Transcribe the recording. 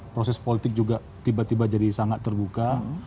proses politik juga tiba tiba jadi sangat terbuka